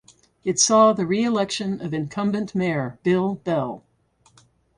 It saw the reelection of incumbent mayor Bill Bell.